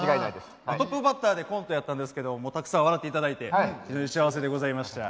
トップバッターでコントやったんですけどもうたくさん笑っていただいて幸せでございました。